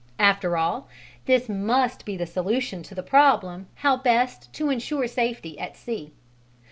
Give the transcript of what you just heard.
After all, this must be the solution to the problem how best to ensure safety at sea.